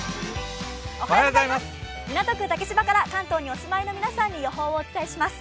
港区竹芝から関東にお住まいの皆さんに予報をお伝えします。